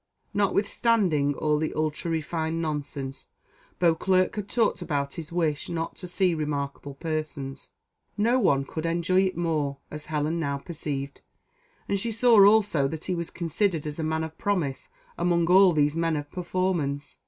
Notwithstanding all the ultra refined nonsense Beauclerc had talked about his wish not to see remarkable persons, no one could enjoy it more, as Helen now perceived; and she saw also that he was considered as a man of promise among all these men of performance.